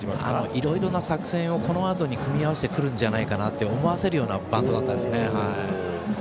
いろいろな作戦を組み合わせてくるんじゃないかと思わせるようなバントでした。